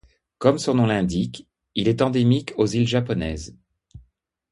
Comme son nom l'indique, il est endémique aux îles japonaises.